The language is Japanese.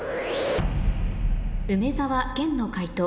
梅沢・研の解答